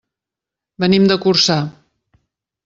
Venim de Corçà.